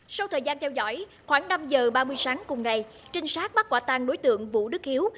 sau thời gian theo dõi khoảng năm giờ ba mươi sáng cùng ngày trinh sát bắt quả tang đối tượng vũ đức hiếu